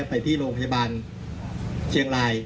ไปที่โรงพยาบาลเชียงราย